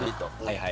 はい。